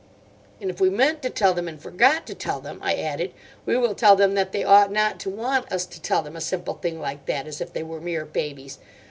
"And if we meant to tell them and forgot to tell them," I added, "we will tell them that they ought not to want us to tell them a simple thing like that, as if they were mere babies.